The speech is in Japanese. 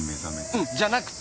うんじゃなくて。